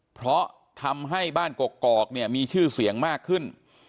เพราะทำให้บ้านกกอกเนี่ยมีชื่อเสียงมากขึ้น